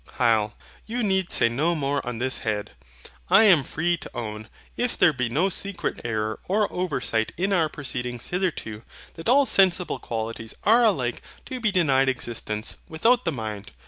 HYL. You need say no more on this head. I am free to own, if there be no secret error or oversight in our proceedings hitherto, that all sensible qualities are alike to be denied existence without the mind.